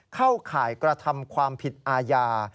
เข้าข่ายกระทำความผิดอาญา